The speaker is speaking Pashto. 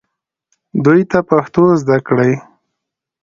دوی ته پښتو زده کړئ